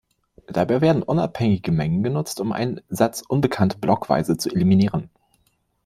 Dabei werden unabhängige Mengen genutzt, um einen Satz Unbekannte blockweise zu eliminieren.